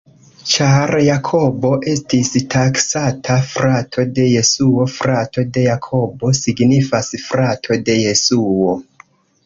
Ĉar Jakobo estis taksata frato de Jesuo, frato de Jakobo signifas frato de Jesuo.